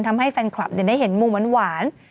ทำให้แฟนคลับได้เห็นมุมหวาน